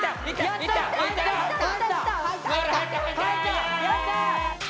やった！